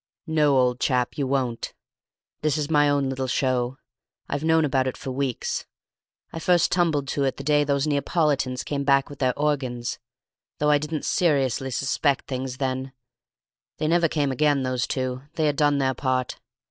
"No, old chap, you won't. This is my own little show. I've known about it for weeks. I first tumbled to it the day those Neapolitans came back with their organs, though I didn't seriously suspect things then; they never came again, those two, they had done their part.